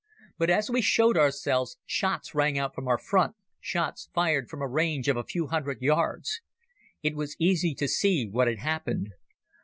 But as we showed ourselves shots rang out from our front, shots fired from a range of a few hundred yards. It was easy to see what had happened.